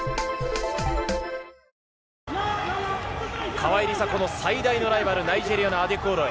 川井梨紗子の最大のライバル、ナイジェリアのアデクオロエ。